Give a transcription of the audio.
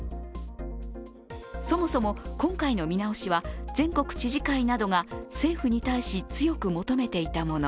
そもそも今回の見直しは、全国知事会などが政府に対し強く求めていたもの。